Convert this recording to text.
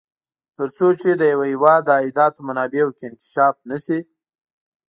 تر څو چې د یوه هېواد د عایداتو منابعو کې انکشاف نه شي.